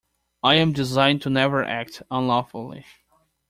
I am designed to never act unlawfully.